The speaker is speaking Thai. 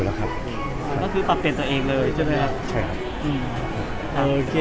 เรียกเรียนวิจิตรจนโต